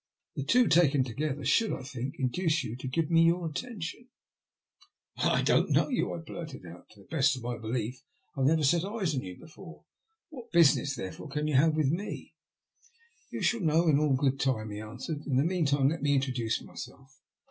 The two taken together should, I think, induce you to give me your attention." " But I don't know you," I blurted out. " To the best of my belief I have never set eyes on you before. What business, therefore, can you have with me?" You shall know all in good time," he answered. ''In the meantime let me introduce myself.